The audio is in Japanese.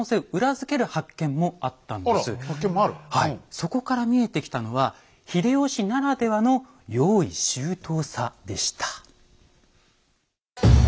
そこから見えてきたのは秀吉ならではの用意周到さでした。